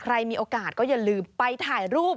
ใครมีโอกาสก็อย่าลืมไปถ่ายรูป